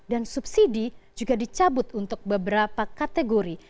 dan subsidi juga dicabut untuk beberapa kategori